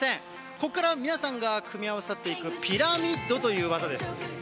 ここから皆さんが組み合わさっていくピラミッドという技です。